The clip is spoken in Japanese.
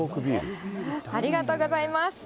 ありがとうございます。